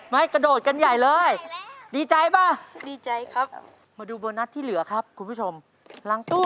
มาดูโบนัสหลังตู้